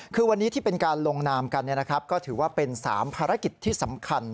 คือวันนี้ที่เป็นการลงนามกันก็ถือว่าเป็น๓ภารกิจที่สำคัญ